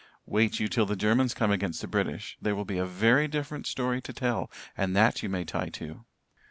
"Wait you till the Germans come against the British; there will be a very different story to tell and that you may tie to."